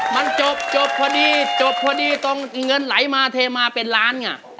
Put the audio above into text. มันจบจบพอดีจบพอดีตรงเงินไหลมาเทมาเป็นล้านไง